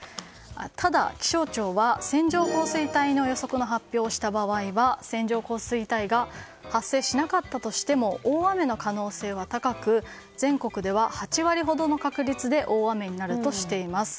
ただ、気象庁は線状降水帯の予測の発表をした場合は線状降水帯が発生しなかったとしても大雨の可能性は高く全国では８割ほどの確率で大雨になるとしています。